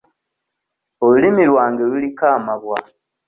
Olulimi lwange luliko amabwa.